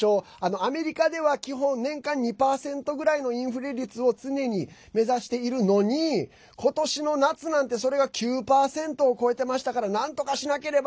アメリカでは基本年間２％ぐらいのインフレ率を常に目指しているのに今年の夏なんてそれが９％を超えてましたからなんとかしなければ！